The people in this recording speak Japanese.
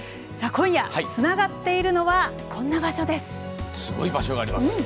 今夜、つながっているのはこんな場所です。